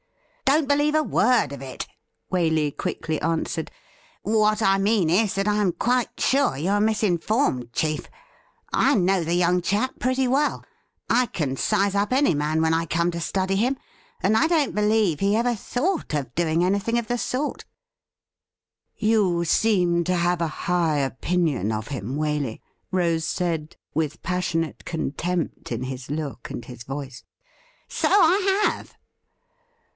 'Don't believe a word of it,' Waley quickly answered. ' What I mean is that I am quite sure you are misinformed, chief. I know the young chap pretty well. I can size up any man when I come to study him, and I don't believe he ever thought of doing anything of the sort.' ' You seem to have a high opinion of him, Waley,' Rose said with passionate contempt in his look and his voice. ' So I have.'